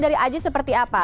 dari aji seperti apa